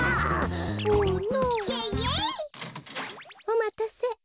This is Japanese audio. おまたせ。